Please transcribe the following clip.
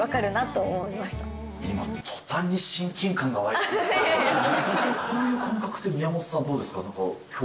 そういう感覚って、宮本さん、どうですか。